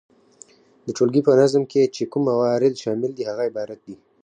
د ټولګي په نظم کي چي کوم موارد شامل دي هغه عبارت دي،